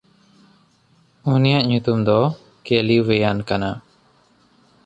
ᱩᱱᱤᱭᱟᱜ ᱧᱩᱛᱩᱢ ᱫᱚ ᱠᱮᱞᱤᱣᱮᱭᱟᱱ ᱠᱟᱱᱟ᱾